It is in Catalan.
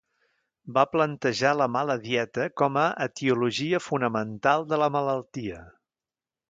Va plantejar la mala dieta com a etiologia fonamental de la malaltia.